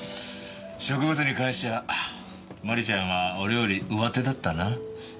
植物に関しちゃ真里ちゃんは俺より上手だったな。